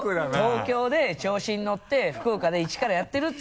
東京で調子にのって福岡で一からやってるって話。